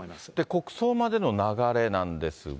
国葬までの流れなんですが。